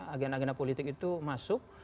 agenda agenda politik itu masuk